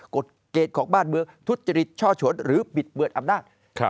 กฎเกณฑ์ของบ้านเมืองทุจริตช่อฉนหรือบิดเบือนอำนาจ